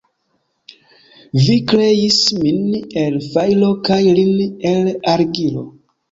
Vi kreis min el fajro kaj lin el argilo.